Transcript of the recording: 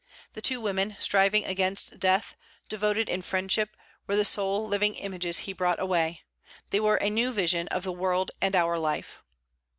The two women, striving against death, devoted in friendship, were the sole living images he brought away; they were a new vision of the world and our life.